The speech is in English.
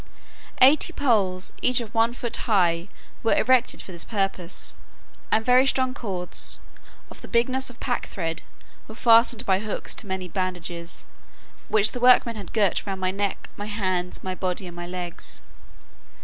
Eighty poles, each of one foot high, were erected for this purpose, and very strong cords, of the bigness of packthread, were fastened by hooks to many bandages, which the workmen had girt round my neck, my hands, my body, and my legs.